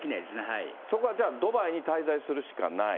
そこはじゃあドバイに滞在するしかない。